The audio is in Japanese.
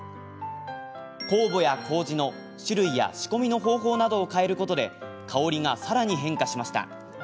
酵母や、こうじの種類や仕込みの方法などを変えることで香りがさらに変化しました。